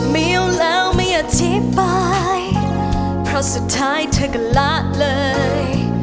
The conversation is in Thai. มีอยู่แล้วไม่อธิบายเพราะสุดท้ายเธอก็ละเลย